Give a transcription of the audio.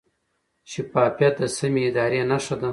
شفافیت د سمې ادارې نښه ده.